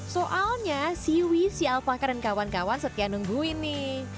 soalnya siwi si alpaka dan kawan kawan setia nunggu ini